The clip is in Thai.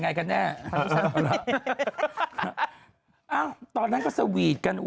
เดี๋ยวก่อนเออตอนนั้นก็สวีทกัน